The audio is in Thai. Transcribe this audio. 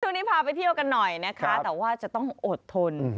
ช่วงนี้พาไปเที่ยวกันหน่อยนะคะแต่ว่าจะต้องอดทน